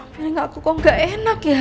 pilih aku kok gak enak ya